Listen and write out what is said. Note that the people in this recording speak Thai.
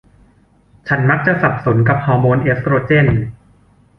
ฉันมักจะสับสนกับฮอร์โมนเอสโตรเจน